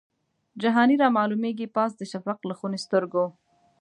جهاني رامعلومیږي پاس د شفق له خوني سترګو